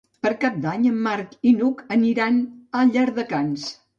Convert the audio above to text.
Per Cap d'Any en Marc i n'Hug aniran a Llardecans.